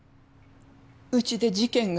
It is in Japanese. うちで事件が。